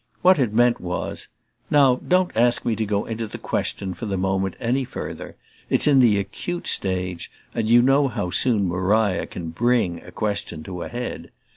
What it meant was: "Now don't ask me to go into the question, for the moment, any further: it's in the acute stage and you know how soon Maria can BRING a question to a head.